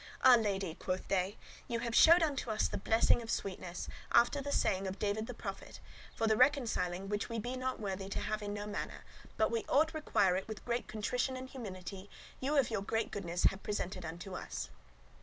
"Ah lady!" quoth they, "ye have showed unto us the blessing of sweetness, after the saying of David the prophet; for the reconciling which we be not worthy to have in no manner, but we ought require it with great contrition and humility, ye of your great goodness have presented unto us.